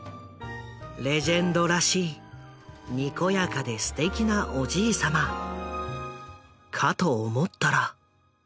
レジェンドらしいにこやかですてきなおじいさまかと思ったら。